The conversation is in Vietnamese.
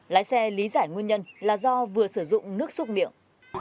lái xe lý giải nguyên nhân là do vừa sử dụng nước xúc miệng